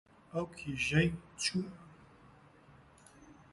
ئەو کیژەی شەو لەگەڵمان هات، چووبووە لای حەمایل خان